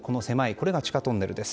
これが地下トンネルです。